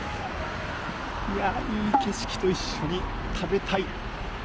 いい景色と一緒に食べたい。